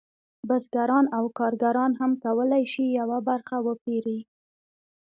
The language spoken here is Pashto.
بزګران او کارګران هم کولی شي یوه برخه وپېري